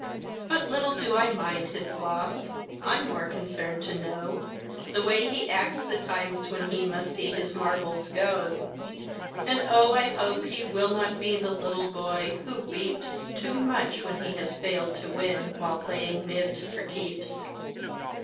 But little do I mind his loss; I'm more concerned to know The way he acts the times when he must see his marbles go. And oh, I hope he will not be the little boy who weeps Too much when he has failed to win while playing mibs for keeps.